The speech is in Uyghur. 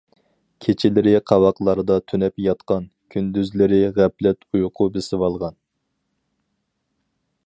كېچىلىرى قاۋاقلاردا تۈنەپ ياتقان، كۈندۈزلىرى غەپلەت ئۇيقۇ بېسىۋالغان.